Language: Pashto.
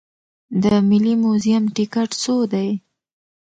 د ملي موزیم ټکټ څو دی؟